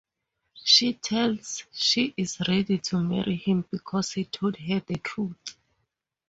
She tells she is ready to marry him because he told her the truth.